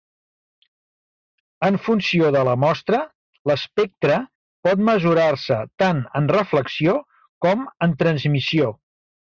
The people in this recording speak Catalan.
En funció de la mostra, l'espectre por mesurar-se tant en reflexió com en transmissió.